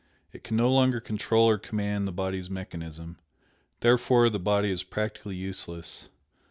It can no longer control or command the body's mechanism, therefore the body is practically useless.